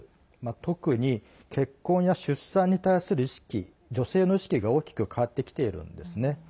特に結婚や出産に対する意識女性の意識が大きく変わってきているんですね。